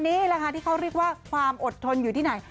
นี่แหละค่ะที่เขาเรียกว่าความอดทนอยู่ที่ไหน